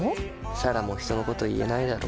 彩良も人のこと言えないだろ。